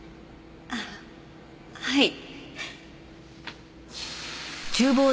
あっはい。